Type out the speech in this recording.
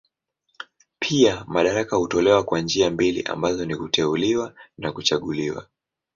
Pia madaraka hutolewa kwa njia mbili ambazo ni kuteuliwa na kuchaguliwa.